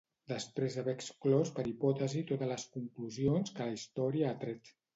Després d'haver exclòs per hipòtesi totes les conclusions que la història ha tret.